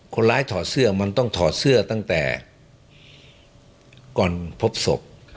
ถอดเสื้อมันต้องถอดเสื้อตั้งแต่ก่อนพบศพ